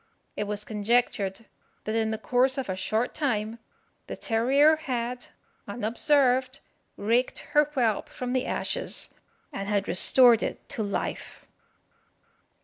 It was conjectured that in the course of a short time the terrier had, unobserved, raked her whelp from the ashes, and had restored it to life.